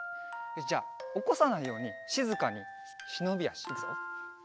よしじゃあおこさないようにしずかにしのびあしいくぞ。